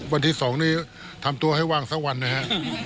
วันที่๒นี้ทำตัวให้ว่างสักวันนะฮะ